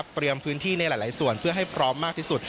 พื้นที่ในหลายส่วนเพื่อให้พร้อมมากที่สุด